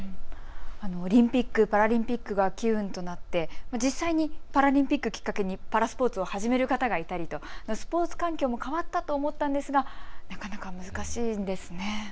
オリンピック・パラリンピックが機運となって実際にパラリンピックをきっかけにパラスポーツを始める方がいたりとスポーツ環境も変わったと思ったんですがなかなか難しいんですね。